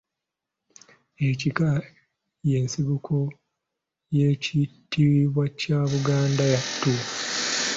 Ekika y’ensibuko y’ekitiibwa kya Buganda yattu.